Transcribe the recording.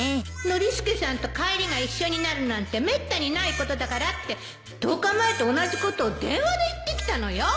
ノリスケさんと帰りが一緒になるなんてめったにないことだからって１０日前と同じことを電話で言ってきたのよ